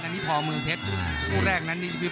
อันนี่พอมึงเพชรพูดแรกนั้นนี้